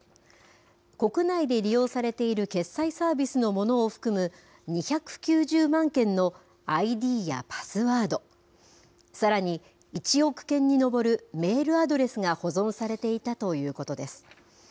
国内で利用されている決済サービスのものを含む２９０万件のＩＤやパスワード、さらに１億件に上るメールアドレスが保存されていたということです。